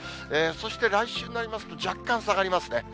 そして来週になりますと、若干下がりますね。